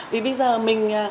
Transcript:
vì bây giờ mình